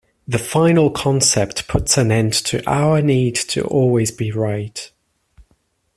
The final concept puts an end to our need to always be right.